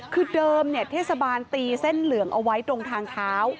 คือเดิมเทศบาลตีเส้นเหลืองเอาไว้ตรงทางเท้า